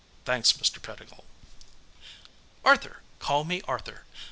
"Thanks, Mr. Pettigill." "Arthur. Call me Arthur.